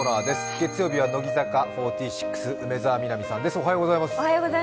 月曜日は乃木坂４６、梅澤美波さんです。